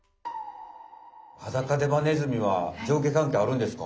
ハダカデバネズミは上下かんけいあるんですか？